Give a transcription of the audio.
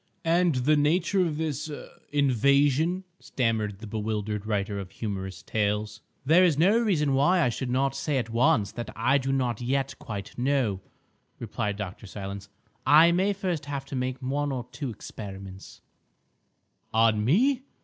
"And the nature of this—er—invasion?" stammered the bewildered writer of humorous tales. "There is no reason why I should not say at once that I do not yet quite know," replied Dr. Silence. "I may first have to make one or two experiments—" "On me?"